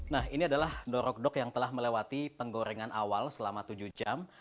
nah ini adalah dorok dok yang telah melewati penggorengan awal selama tujuh jam